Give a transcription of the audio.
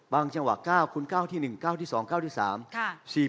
จังหวะ๙คุณ๙ที่๑๙ที่๒๙ที่๓